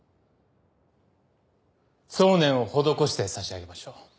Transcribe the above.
送念を施してさしあげましょう。